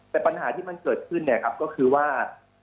แต่ปัญหาที่มันเกิดขึ้นก็คือว่า